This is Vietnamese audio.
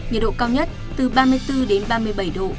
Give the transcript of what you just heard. nhiệt độ cao nhất từ ba mươi bốn đến ba mươi bảy độ